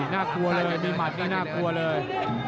น่ากลัวเลยมีหมัดนี่น่ากลัวเลย